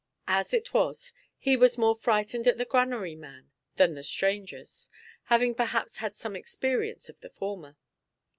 As it was, he was more frightened at the granary man than the strangers, having perhaps had some experience of the former.